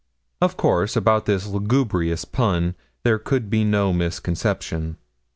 Of course, about this lugubrious pun, there could be no misconception.